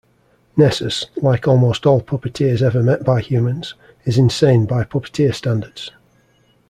Nessus, like almost all Puppeteers ever met by humans, is insane by Puppeteer standards.